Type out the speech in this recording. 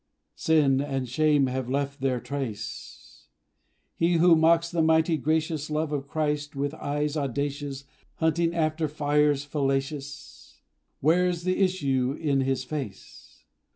Sin and shame have left their trace! He who mocks the mighty, gracious Love of Christ, with eyes audacious, Hunting after fires fallacious, Wears the issue in his face.